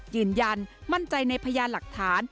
ยืนยันมั่นใจในพยานหลักฐาน